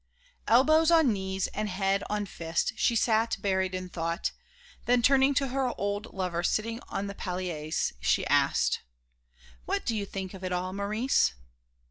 Elbows on knees and head on fist, she sat buried in thought; then turning to her old lover sitting on the palliasse, she asked: "What do you think of it all, Maurice?"